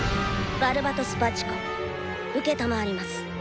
「バルバトス・バチコ承ります」。